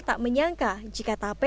tak menyangka jika tape